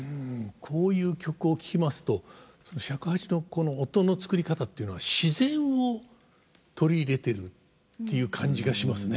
こういう曲を聴きますと尺八の音の作り方っていうのは自然を取り入れてるっていう感じがしますね。